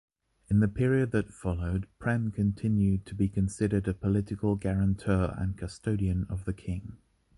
In the period that followed, Prem continued to be considered a political guarantor and custodian of the king.